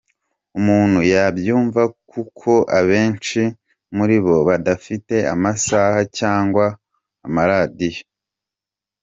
umuntu yabyumva kuko abenshi muri bo badafite amasaha cyangwa amaradiyo.